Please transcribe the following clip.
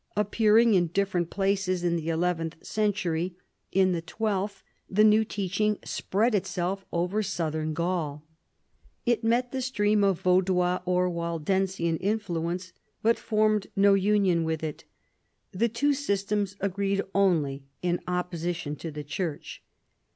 Appearing in different places in the eleventh century, in the twelfth the new teaching spread itself over Southern Gaul. It met the stream of Vaudois or Waldensian influence but formed no union with it. The two systems agreed only in opposition to the church.